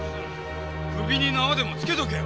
首に縄でもつけとけよ。